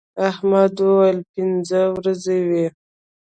احمد وويل: پینځه ورځې وې.